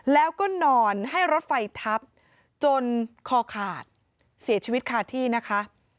แล้วก็นอนให้รถไฟทับจนคอขาดเสียชีวิตขาดที่นะคะ